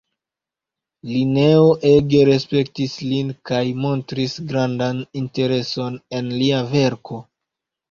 Lineo ege respektis lin kaj montris grandan intereson en lia verko.